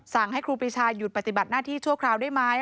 ให้ครูปีชาหยุดปฏิบัติหน้าที่ชั่วคราวได้ไหม